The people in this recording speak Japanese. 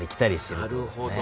なるほど。